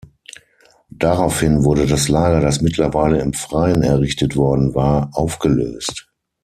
Daraufhin wurde das Lager, das mittlerweile im Freien errichtet worden war, aufgelöst.